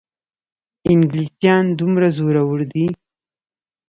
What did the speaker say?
انګلیسیان دومره زورور دي.